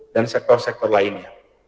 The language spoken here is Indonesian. dan sektor sektor lainnya